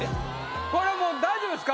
これもう大丈夫ですか？